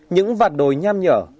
những vạt đồi nham nhở